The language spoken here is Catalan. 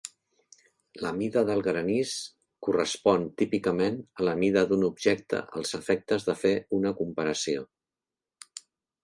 La mida del granís correspon típicament a la mida d'un objecte als efectes de fer una comparació.